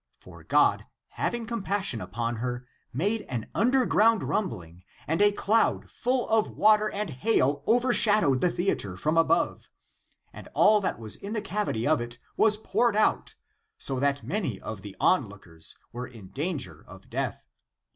For God, having compassion upon her, made an underground rumbling and a cloud full of water and hail overshadowed (the theater) from above, and all that was in the cavity of it was poured out, so that many <of the lookers on > were in danger of death.